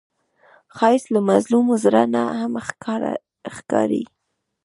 ښایست له مظلوم زړه نه هم ښکاري